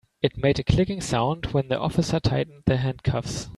It made a clicking sound when the officer tightened the handcuffs.